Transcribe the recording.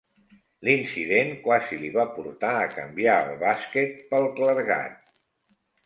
L'incident quasi li va portar a canviar el bàsquet pel clergat.